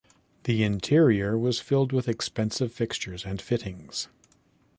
The interior was filled with expensive fixtures and fittings.